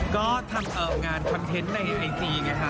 ก็ทำงานคอนเทนต์ในไอจีไงค่ะ